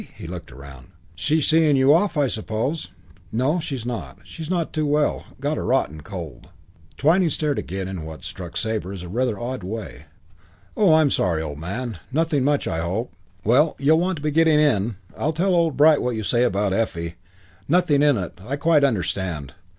He looked around. "She's seeing you off, I suppose?" "No, she's not. She's not too well. Got a rotten cold." Twyning stared again in what struck Sabre as rather an odd way. "Oh, I'm sorry, old man. Nothing much, I hope. Well, you'll want to be getting in. I'll tell old Bright what you say about Effie. Nothing in it. I quite understand.